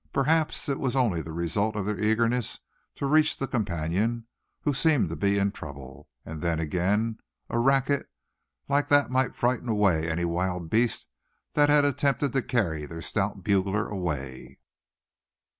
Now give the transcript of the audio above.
Perhaps it was only the result of their eagerness to reach the companion, who seemed to be in trouble; and then again, a racket like that might frighten away any wild beast that had attempted to carry their stout bugler away.